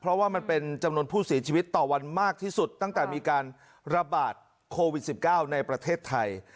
เพราะว่ามันเป็นจำนวนผู้เสียชีวิตต่อวันมากที่สุดตั้งแต่มีการระบาดโควิด๑๙ในประเทศไทย